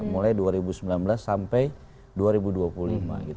mulai dua ribu sembilan belas sampai dua ribu dua puluh lima